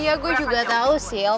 iya gue juga tau sil